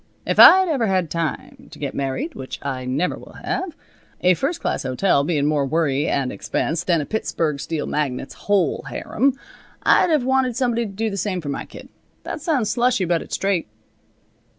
If I'd ever had time to get married, which I never will have, a first class hotel bein' more worry and expense than a Pittsburg steel magnate's whole harem, I'd have wanted somebody to do the same for my kid. That sounds slushy, but it's straight."